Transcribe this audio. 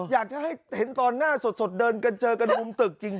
อยากจะให้เห็นตอนหน้าสดเดินกันเจอกันมุมตึกจริง